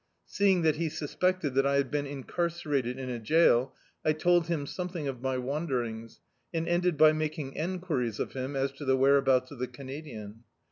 Seeing that he suspected that I had been incarcerated in a jail, I told him something of my wanderings, and ended by making enquiries of him as to the whereabouts of the Canadian.